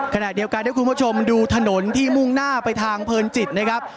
ขณะเดียวกันให้คุณผู้ชมดูถนนที่มุ่งหน้าไปทางเพลินจิตนะครับ